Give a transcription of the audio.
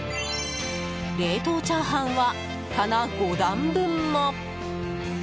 冷凍チャーハンは、棚５段分も！